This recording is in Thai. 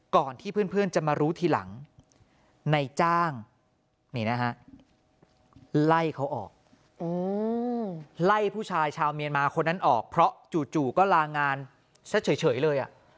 ก่อนที่เพื่อนจะมารู้ทีหลังในจ้างนี่นะฮะไล่เขาออกไล่ผู้ชายชาวเมียนมาคนนั้นออกเพราะจู่ก็ลางานซะเฉยเลย